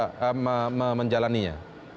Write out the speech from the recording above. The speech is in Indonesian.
harusnya bagaimana menjalannya